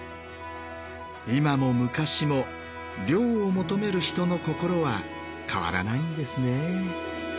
今も昔も涼を求める人の心は変わらないんですねぇ。